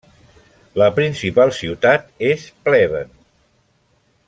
La principal ciutat és Pleven.